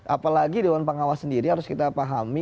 apalagi dewan pengawas sendiri harus kita pahami